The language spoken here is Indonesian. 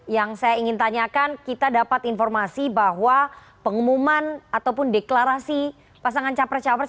yang saya ingin tanyakan kita dapat informasi bahwa pengumuman ataupun deklarasi pasangan capres capres